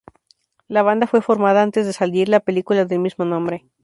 La banda fue formada antes de salir la película del mismo nombre.